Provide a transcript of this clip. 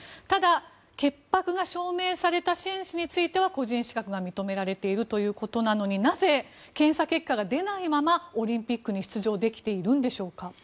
ただ、潔白が証明された選手については個人資格が認められているということなのになぜ検査結果が出ないままオリンピックに出場できているんでしょうか。